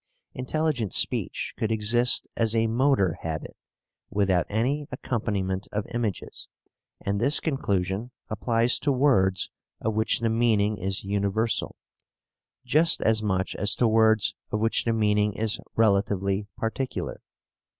Intelligent speech could exist as a motor habit, without any accompaniment of images, and this conclusion applies to words of which the meaning is universal, just as much as to words of which the meaning is relatively particular.